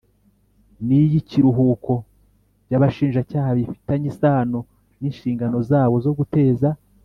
n iy ikiruhuko by abashinjacyaha bifitanye isano n ishingano zawo zo guteza